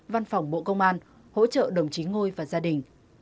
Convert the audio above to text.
văn phòng bộ công an hỗ trợ đồng chí ngôi và gia đình